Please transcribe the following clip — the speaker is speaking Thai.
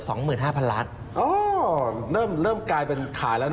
ทั้งปีเป็นอย่างไรบ้างคุณเดชน์